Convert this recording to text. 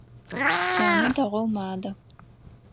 Тянэ дэгъоу мадэ.